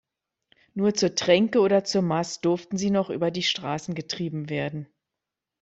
Nur zur Tränke oder zur Mast durften sie noch über die Straßen getrieben werden.